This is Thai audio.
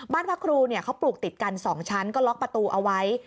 พระครูเขาปลูกติดกัน๒ชั้นก็ล็อกประตูเอาไว้